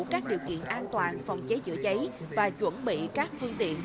các điều kiện an toàn phòng cháy chữa cháy và chuẩn bị các phương tiện